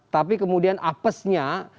tapi kemudian apesnya